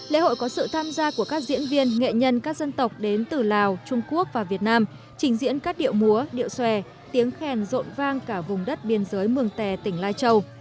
lễ hội có sự tham gia của các diễn viên nghệ nhân các dân tộc đến từ lào trung quốc và việt nam trình diễn các điệu múa điệu xòe tiếng khen rộn vang cả vùng đất biên giới mường tè tỉnh lai châu